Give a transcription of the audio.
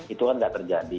itu kan gak terjadi